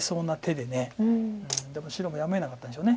でも白もやむをえなかったんでしょう。